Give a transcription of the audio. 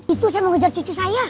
itu saya mau ngejar cucu saya